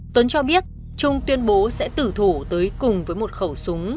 tuấn cho biết trung tuyên bố sẽ tử thủ tới cùng với một khẩu súng